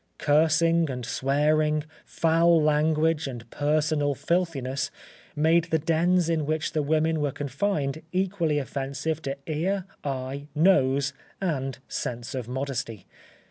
Cursing and swearing, foul language, and personal filthiness, made the dens in which the women were confined equally offensive to ear, eye, nose, and sense of modesty.